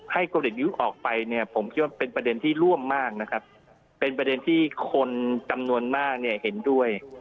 พลเอกประยุทธ์ออกไปเนี่ยผมคิดว่าเป็นประเด็นที่ร่วมมากนะครับเป็นประเด็นที่คนจำนวนมากเนี่ยเห็นด้วย